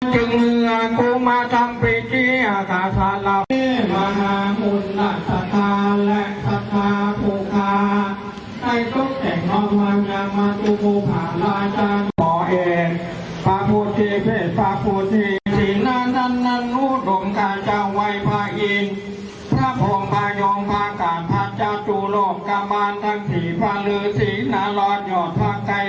จึงเมื่อกูมาจำพิธีอาฆาตศาสตร์ละพิเศษมหาคุณหลักศัตริย์และศัตริย์ภูมิการใกล้ทุกอย่างน้องมันอย่างมาทุกภูมิภาราจารย์ต่อเอกภาพุทธิเผชภาพุทธิศินานานนุฑมกาเจ้าไว้ภาอินทร์ทรัพโภงปายองภากาธัจจุโรคกะมารทักษีภรือศินรัชยนต์ภาคไ